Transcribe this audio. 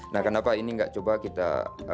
nah kenapa ini tidak coba kita majukan